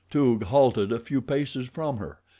Toog halted a few paces from her.